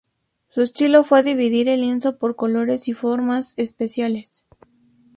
Su estilo fue dividir el lienzo por colores y formas especiales.